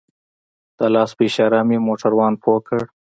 د لاس په اشاره مې موټروان پوه کړ.